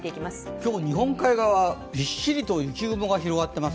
今日、日本海側、びっしりと雪雲が広がっています。